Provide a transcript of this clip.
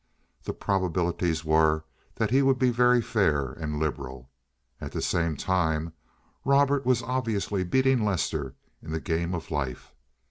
The probabilities were that he would be very fair and liberal. At the same time, Robert was obviously beating Lester in the game of life.